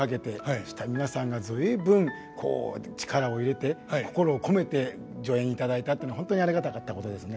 そしたら皆さんが随分こう力を入れて心を込めて助演いただいたっていうのは本当にありがたかったことですね。